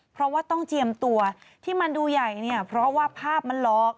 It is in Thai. เพราะว่าต้องเจียมตัวที่มันดูใหญ่เนี่ยเพราะว่าภาพมันหลอก